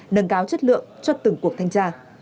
nâng cáo chất lượng cho từng cuộc thanh tra